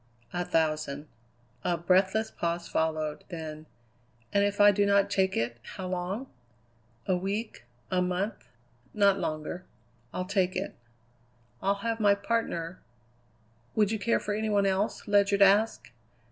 "A thousand." A breathless pause followed. Then: "And if I do not take it, how long?" "A week, a month; not longer." "I'll take it." "I'll have my partner Would you care for any one else?" Ledyard asked.